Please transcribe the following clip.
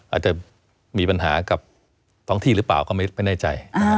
อาจจะมีปัญหากับท้องที่หรือเปล่าก็ไม่แน่ใจ